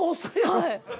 はい。